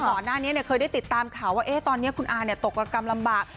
ก่อนหน้านี้เคยได้ติดตามข่าวว่าตอนนี้คุณอาตกรกรรมลำบาก